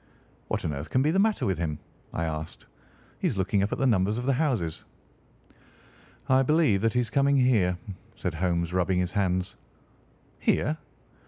"What on earth can be the matter with him?" I asked. "He is looking up at the numbers of the houses." "I believe that he is coming here," said Holmes, rubbing his hands. "Here?"